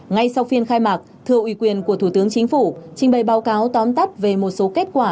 ngay sau phiên khai mạc thưa ủy quyền của thủ tướng chính phủ trình bày báo cáo tóm tắt về một số kết quả